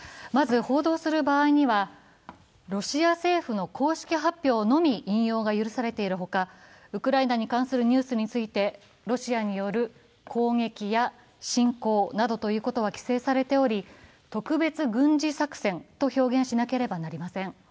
まず、報道する場合にはロシア政府の公式発表のみ引用が許されているほかウクライナに関するニュースについてロシアによる「攻撃」や「侵攻」などという言葉は規制されており、特別軍事作戦と表現しなければなりません。